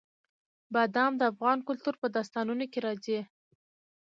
بادام د افغان کلتور په داستانونو کې راځي.